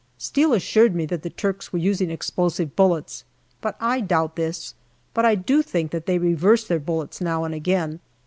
Steel assured me that the Turks were using explosive bullets, but I doubt this ; but I do think that they reverse their bullets now and again.